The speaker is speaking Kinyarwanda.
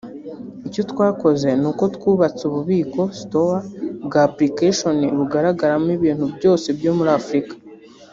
Icyo twakoze ni uko twubatse ububiko (store) bwa Application bugaragamo ibintu byose byo muri Afurika